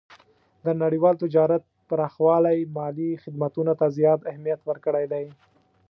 د نړیوال تجارت پراخوالی مالي خدمتونو ته زیات اهمیت ورکړی دی.